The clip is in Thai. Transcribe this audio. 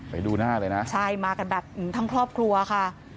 ไปดูหน้าเลยนะใช่มากันแบบทั้งครอบครัวค่ะ